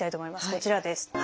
こちらです。